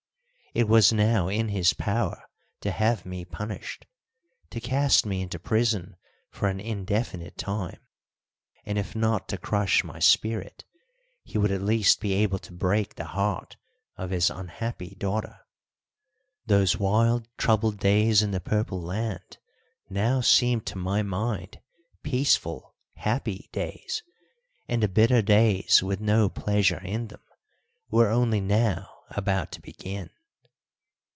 It was now in his power to have me punished, to cast me into prison for an indefinite time, and if not to crush my spirit, he would at least be able to break the heart of his unhappy daughter. Those wild, troubled days in the Purple Land now seemed to my mind peaceful, happy days, and the bitter days with no pleasure in them were only now about to begin.